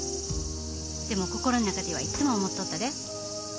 でも心の中ではいつも思っとったで。